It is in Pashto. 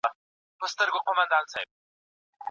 د سياستپوهني د بنسټونو پوهېدل د هر سياستوال له پاره اړين دي.